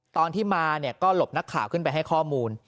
ตอนที่มาเนี่ยก็หลบนักข่าวขึ้นไปให้ข้อมูล